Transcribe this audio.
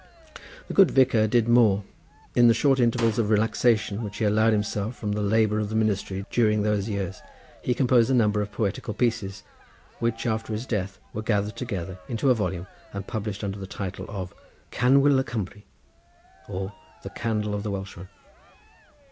The good vicar did more. In the short intervals of relaxation which he allowed himself from the labour of the ministry during those years he composed a number of poetical pieces, which after his death were gathered together into a volume and published, under the title of "Canwyll y Cymry; or, the Candle of the Welshman."